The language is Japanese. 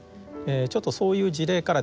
ちょっとそういう事例からですね